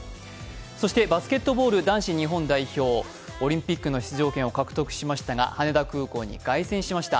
そしてバスケットボール男子日本代表、オリンピックの出場権を獲得しましたが、羽田空港に凱旋しました。